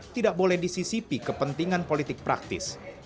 tidak boleh disisipi kepentingan politik praktis